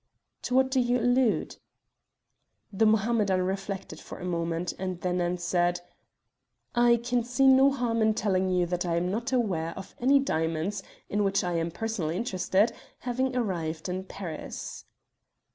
"To what do you allude?" The Mohammedan reflected for a moment, and then answered "I can see no harm in telling you that I am not aware of any diamonds in which I am personally interested having arrived in Paris."